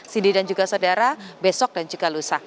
sidi dan juga saudara besok dan juga lusa